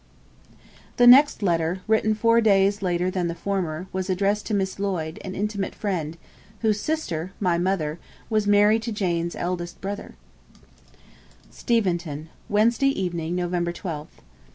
The next letter, written four days later than the former, was addressed to Miss Lloyd, an intimate friend, whose sister (my mother) was married to Jane's eldest brother: 'Steventon, Wednesday evening, Nov. 12th.